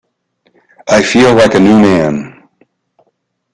I feel like a new man.